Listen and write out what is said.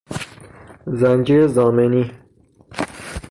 زنجیر ضامنی